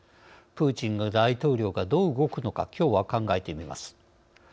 プーチン大統領がどう動くのかきょうは考えてみます。